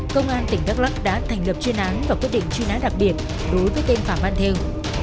công an tỉnh đắk lắk đã thành lập chuyên án và quyết định chuyên án đặc biệt đối với tên phạm văn thêu